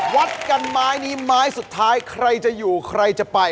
วัดกันไม้นี้ไม้สุดท้ายใครจะอยู่ใครจะไป